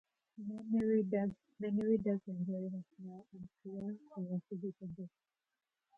Many readers enjoy the smell and feel of a physical book.